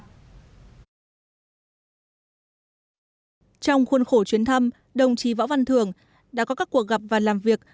trong khuôn khổ chuyến thăm đồng chí võ văn thường đã có các cuộc gặp và làm việc